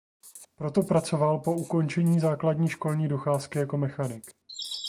Proto pracoval po ukončení základní školní docházky jako mechanik.